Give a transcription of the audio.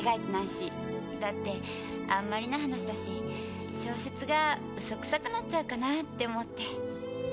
だってあんまりな話だし小説が嘘臭くなっちゃうかなって思って。